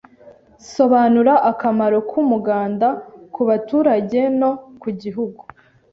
Sobanura akamaro k’umuganda ku baturage no ku gihugu